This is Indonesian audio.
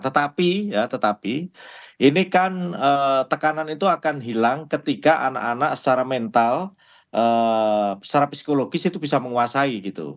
tetapi ya tetapi ini kan tekanan itu akan hilang ketika anak anak secara mental secara psikologis itu bisa menguasai gitu